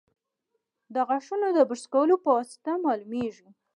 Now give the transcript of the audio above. د غاښونو د برس کولو په واسطه معلومېږي.